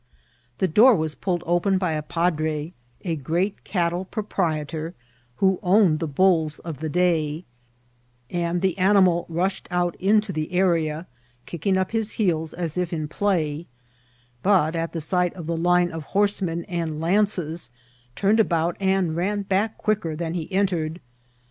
The door was pulled open by a padre, a great cattle proprietor, who owned the bulls of the day, and the an imal rushed out into the area, kicking up his heels as if in play, but at sight of the line of horsemen and lances turned about and ran back quicker than he entered.